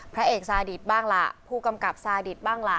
พระเอกซาดิตบ้างล่ะผู้กำกับซาดิตบ้างล่ะ